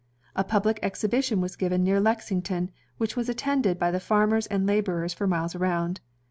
'' A public exhibition was given near Lexington, which was attended by the farmers and laborers for miles around.